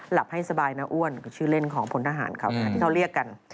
หลับให้สบายนะอ้วนกับชื่อเล่นของพลทหารเขาที่เขาเรียกกัน